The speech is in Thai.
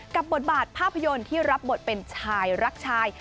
บทบาทภาพยนตร์ที่รับบทเป็นชายรักชาย